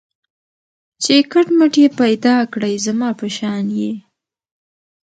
چي کټ مټ یې پیدا کړی زما په شان یې